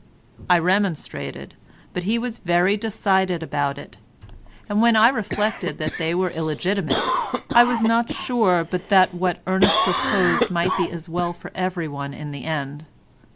I remonstrated, but he was very decided about it; and when I reflected that they were illegitimate, I was not sure but that what Ernest proposed might be as well for everyone in the end.